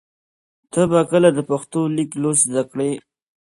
ته به کله د پښتو لیک لوست زده کړې؟